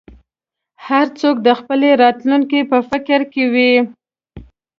هر څوک د خپلې راتلونکې په فکر کې وي.